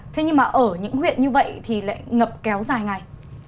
thế nhưng mà ở những huyện như vậy thì lại ngập kéo dài ngày